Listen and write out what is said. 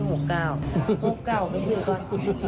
๖๙ก็ซื้อก่อน